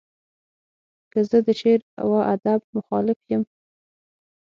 که زه د شعر و ادب مخالف یم.